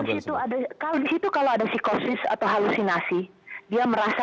itu ada yang sedang berpikir sedang tidak sadar begitu paham bagaimana bagaimana